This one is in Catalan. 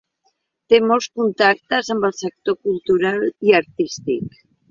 Té molts contactes en el sector cultural i artístic.